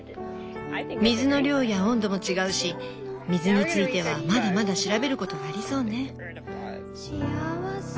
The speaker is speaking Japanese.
水の量や温度も違うし水についてはまだまだ調べることがありそうね。